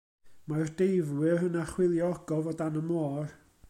Mae'r deifwyr yn archwilio ogof o dan y môr.